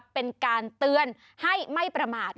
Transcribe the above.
เป็นการเตือนให้ไม่ประมาท